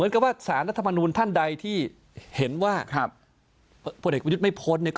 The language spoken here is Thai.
ก็สามารถหยิบแจง